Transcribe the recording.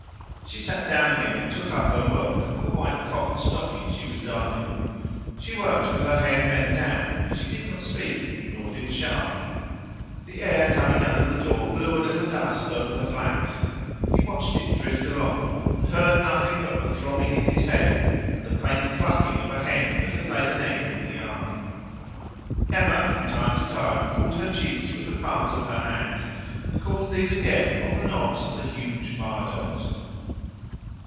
She sat down again and took up her work, a white cotton stocking she was darning. She worked with her head bent down; she did not speak, nor did Charles. The air coming in under the door blew a little dust over the flags; he watched it drift along, and heard nothing but the throbbing in his head and the faint clucking of a hen that had laid an egg in the yard. Emma from time to time cooled her cheeks with the palms of her hands, and cooled these again on the knobs of the huge fire dogs.